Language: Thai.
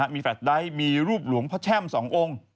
มีแฟลตไดท์มีรูปหลวงพ่อแช่ม๒องค์